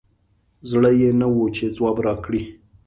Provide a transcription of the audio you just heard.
زړه یي نه وو چې ځواب راکړي